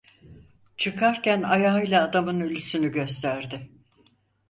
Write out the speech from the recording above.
Çıkarken ayağıyla adamın ölüsünü gösterdi.